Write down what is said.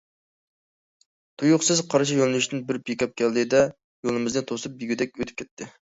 تۇيۇقسىز قارشى يۆنىلىشتىن بىر پىكاپ كەلدى- دە، يولىمىزنى توسۇپ دېگۈدەك ئۆتۈپ كەتتى.